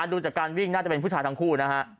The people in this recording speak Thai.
ดูจากการวิ่งน่าจะเป็นผู้ชายทั้งคู่นะฮะ